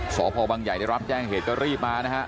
สพบังใหญ่ได้รับแจ้งเหตุก็รีบมานะฮะ